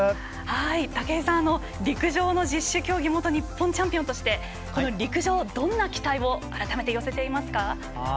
陸上の十種競技の元日本チャンピオンとして陸上でどんな期待を改めて寄せていますか？